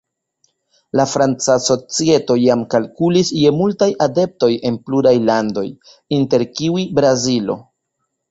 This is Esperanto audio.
La franca societo jam kalkulis je multaj adeptoj en pluraj landoj, inter kiuj Brazilo.